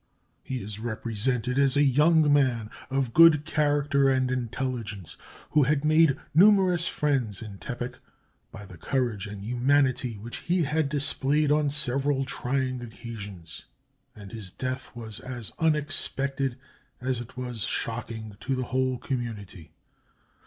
He is represented as a young man of good character and intelligence, who had made numerous friends in Tepic by the courage and humanity which he had displayed on several trying occasions; and his death was as unexpected as it was shocking to the whole community.